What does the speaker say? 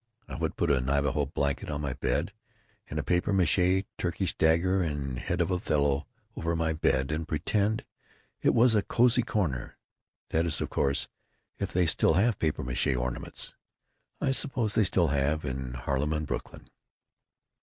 I would put a Navajo blanket on my bed & a papier maché Turkish dagger & head of Othello over my bed & pretend it was a cozy corner, that is of course if they still have papier maché ornaments, I suppose they still live in Harlem & Brooklyn.